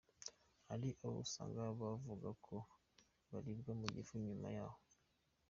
Hari abo usanga bavuga ko baribwa mu gifu nyuma yaho.